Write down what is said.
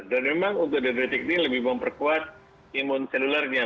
dan memang untuk dendritic ini lebih memperkuat imun selulernya